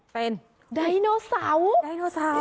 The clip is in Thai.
เป็นดายโนเสาร์